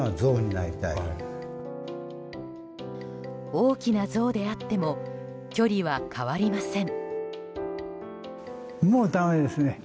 大きなゾウであっても距離は変わりません。